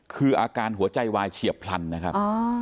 คืออาการหัวใจวายเฉียบพลันนะครับ